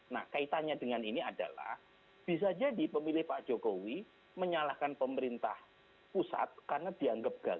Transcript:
nah kaitannya dengan ini adalah bisa jadi pemilih pak jokowi menyalahkan pemerintah pusat karena dianggap gagal